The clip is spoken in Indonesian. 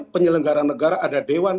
penyelenggara negara ada dewan